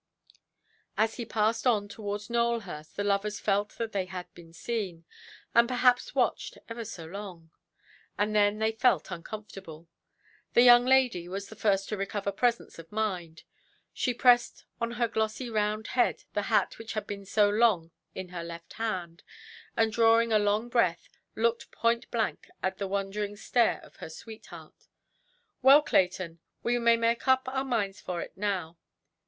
As he passed on towards Nowelhurst the lovers felt that they had been seen, and perhaps watched ever so long; and then they felt uncomfortable. The young lady was the first to recover presence of mind. She pressed on her glossy round head the hat which had been so long in her left hand, and, drawing a long breath, looked point–blank at the wondering stare of her sweetheart. "Well, Clayton, we may make up our minds for it now".